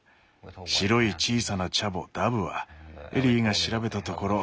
白い小さなチャボダブはエリーが調べたところ